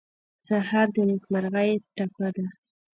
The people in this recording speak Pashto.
سهار د نیکمرغۍ ټپه ده.